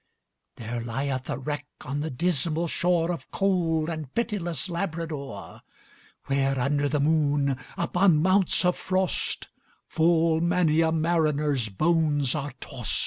There lieth a wreck on the dismal shoreOf cold and pitiless Labrador; Where, under the moon, upon mounts of frost, Full many a mariner's bones are tost.